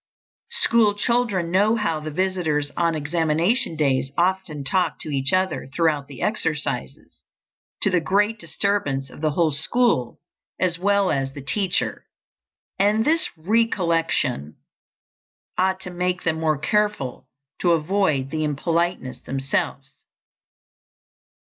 School children know how the visitors on examination days often talk to each other throughout the exercises, to the great disturbance of the whole school as well as the teacher, and this recollection ought to make them more careful to avoid the impoliteness themselves.